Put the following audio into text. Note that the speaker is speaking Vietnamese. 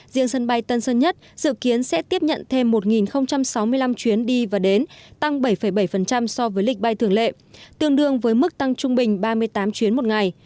riêng sân bay tân sơn nhất dự kiến sẽ tiếp nhận thêm một sáu mươi năm chuyến đi và đến tăng bảy bảy so với lịch bay thường lệ tương đương với mức tăng trung bình ba mươi tám chuyến một ngày